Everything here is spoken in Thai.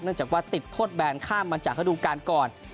จากว่าติดโทษแบนข้ามมาจากฤดูการก่อน